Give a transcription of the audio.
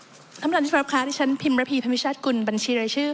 ท่านประธานทิพยาบาลค่ะที่ฉันพิมรพีพันธุ์วิชาติกุลบัญชีรายชื่อ